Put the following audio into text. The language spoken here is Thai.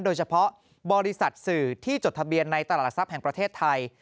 โดยเฉพาะบริษัทสื่อที่จดทะเบียนในตลาดหลักทรัพย์แห่งประเทศไทย